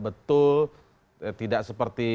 betul tidak seperti